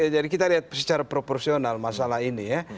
jadi kita lihat secara proporsional masalah ini ya